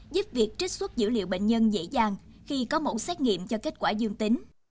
giúp việc trích xuất dữ liệu bệnh nhân dễ dàng khi có mẫu xét nghiệm cho kết quả dương tính